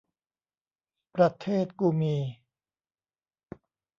ประเทศกูมี